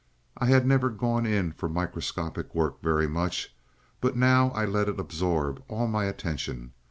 I had never gone in for microscopic work very much, but now I let it absorb all my attention.